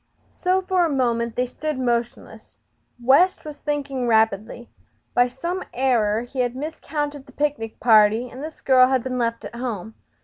So for a moment they stood motionless. West was thinking rapidly. By some error be had miscounted the picnic party and this girl had been left at home.